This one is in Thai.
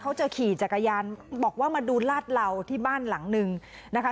เขาจะขี่จักรยานบอกว่ามาดูลาดเหล่าที่บ้านหลังนึงนะคะ